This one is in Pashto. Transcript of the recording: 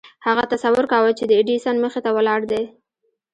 هغه تصور کاوه چې د ايډېسن مخې ته ولاړ دی.